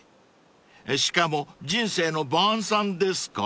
［しかも「人生の晩餐」ですか］